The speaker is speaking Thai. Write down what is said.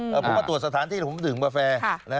ผมมาตรวจสถานที่ผมดื่มกาแฟ